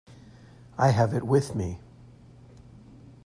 I have it with me.